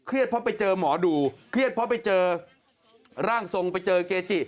เพราะไปเจอหมอดูเครียดเพราะไปเจอร่างทรงไปเจอเกจิ